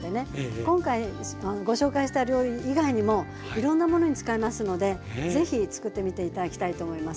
今回ご紹介した料理以外にもいろんなものに使えますので是非つくってみて頂きたいと思います。